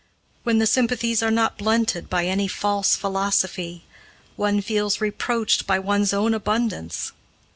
When the sympathies are not blunted by any false philosophy, one feels reproached by one's own abundance.